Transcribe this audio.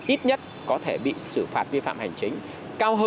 ít nhất có thể bị xử phạt vi phạm hành chính